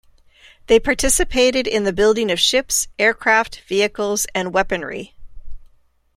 They participated in the building of ships, aircraft, vehicles, and weaponry.